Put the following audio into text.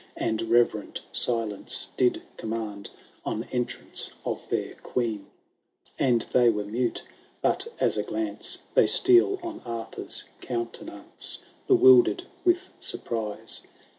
And reverent silence did command. On entrance of their Queen, And they were mute. ^But as a glance They steal on Arthor^s countenance Bewilder'^d with surprise.